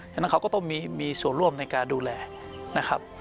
ฉะนั้นเขาก็ต้องมีส่วนร่วมในการดูแลนะครับ